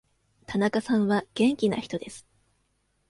田中さんは元気な人です。